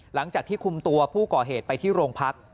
หลังจากที่คุมตัวผู้ก่อเหตุไปที่โรงพัก